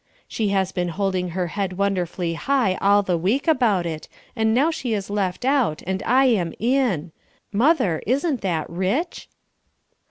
She has been holding her head wonderfully high all the week about it, and now she is left out and I am in. Mother, isn't that rich?"